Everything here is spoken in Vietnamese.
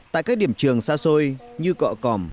tại các điểm trường xa xôi như cọ cỏm